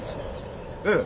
ええ。